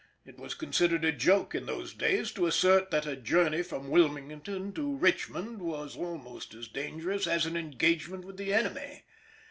It was considered a joke in those days to assert that a journey from Wilmington to Richmond was almost as dangerous as an engagement with the enemy.